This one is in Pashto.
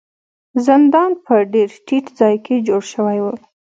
زندان په ډیر ټیټ ځای کې جوړ شوی و.